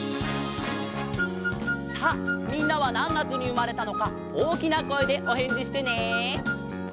さあみんなはなんがつにうまれたのかおおきなこえでおへんじしてね！